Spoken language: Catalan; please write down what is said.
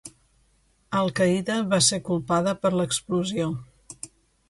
Al-Qaeda va ser culpada per l'explosió.